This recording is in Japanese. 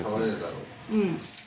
うん。